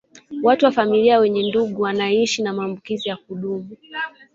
Watu wa familia wenye ndugu anayeishi na maambukizi ya kudumu